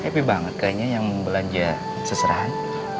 happy banget kayaknya yang belanja seserahan